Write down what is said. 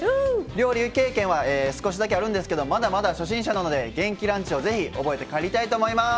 料理経験は少しだけあるんですけどまだまだ初心者なので元気ランチを是非覚えて帰りたいと思います。